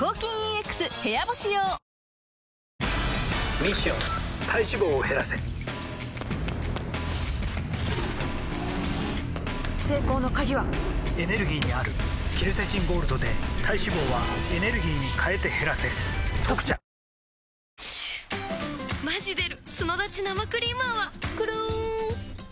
ミッション体脂肪を減らせ成功の鍵はエネルギーにあるケルセチンゴールドで体脂肪はエネルギーに変えて減らせ「特茶」吾輩は栄養である